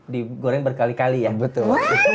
digoreng berkali kali ya betul